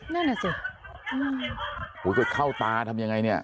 นั่นแหละสิอุ้ยคือเข้าตาทำยังไงเนี่ย